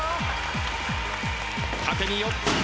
縦に４つ。